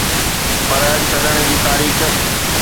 پر ڇڏڻ جي تاريخ